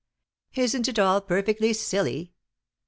Isn't it all perfectly silly?